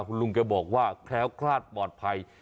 คุณลุงแกบอกว่าแคล้วคลาดปลอดภัย